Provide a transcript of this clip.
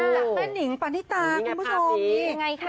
จากแม่หนิงปานที่ตาคุณผู้ชม